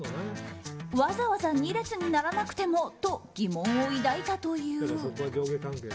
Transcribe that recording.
わざわざ２列にならなくてもと疑問を抱いたという。